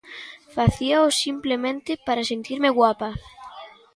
Facíao simplemente para sentirme guapa.